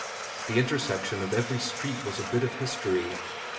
The intersection of every street was a bit of history.